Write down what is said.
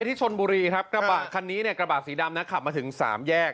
ที่ชนบุรีครับกระบะคันนี้เนี่ยกระบะสีดำนะขับมาถึงสามแยก